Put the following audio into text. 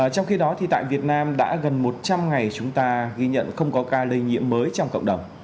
trong khi đó tại việt nam đã gần một trăm linh ngày chúng ta ghi nhận không có ca lây nhiễm mới trong cộng đồng